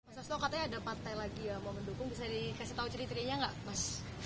mas astro katanya ada empat t lagi ya mau mendukung bisa dikasih tau ceritanya gak mas